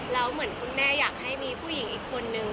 แล้วเหมือนคุณแม่อยากให้มีผู้หญิงอีกคนนึง